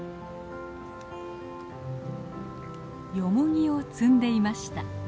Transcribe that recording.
ヨモギを摘んでいました。